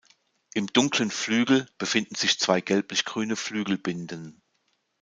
Im dunklen Flügel befinden sich zwei gelblichgrüne Flügelbinden.